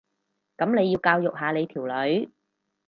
噉你要教育下你條女